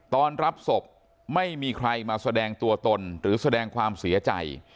ตอนรับศพไม่มีใครมาแสดงตัวตนหรือแสดงความเสียใจ